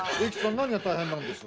何が大変なんです？